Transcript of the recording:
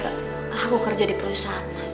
aku kerja di perusahaan